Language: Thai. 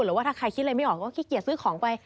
หรือว่าถ้าใครคิดอะไรไม่ออกก็ขี้เกียจซื้อของไป